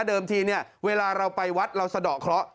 เดิมทีเนี่ยเวลาเราไปวัดเราสะดอกเคราะห